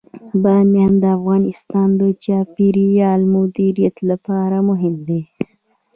بامیان د افغانستان د چاپیریال د مدیریت لپاره مهم دي.